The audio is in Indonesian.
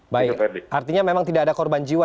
baik artinya memang tidak ada korban jiwa